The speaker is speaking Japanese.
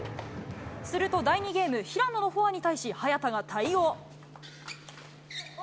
すると、第２ゲーム、平野のフォアに対し、早田が対応。